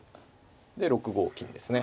で６五金ですね。